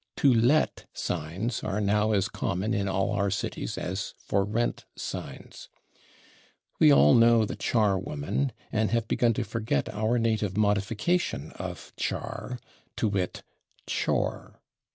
/To Let/ signs are now as common in all our cities as /For Rent/ signs. We all know the /charwoman/, and have begun to forget our native modification of /char/, to wit, /chore